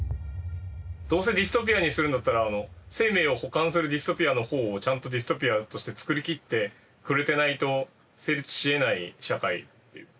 どうせディストピアにするんだったら生命を補完するディストピアの方をちゃんとディストピアとして作りきってくれてないと成立しえない社会っていう。